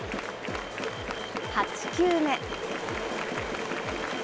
８球目。